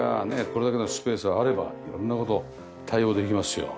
これだけのスペースがあれば色んな事対応できますよ。